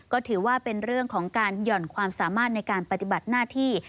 ก็ถือว่าเป็นเรื่องของการหย่อนความสามารถในการปฏิบัติหน้าที่